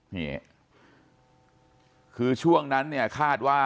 นี่คือช่วงนั้นเนี่ยคาดว่า